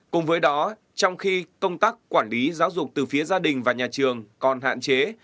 cùng với đó trong khi công tác quản lý giáo dục từ phía gia đình và nhà trường còn hạn chế